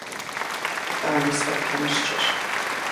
Итӏани сфӏэтхьэмыщкӏэщ.